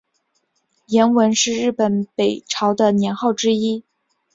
延文是日本北朝的年号之一。